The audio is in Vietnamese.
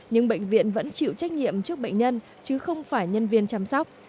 nhưng bệnh viện vẫn chịu trách nhiệm trước bệnh nhân chứ không phải nhân viên chăm sóc